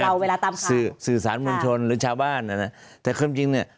เราเวลาตามคำสื่อสารบุญชนหรือชาวบ้านอ่ะน่ะแต่ความจริงเนี้ย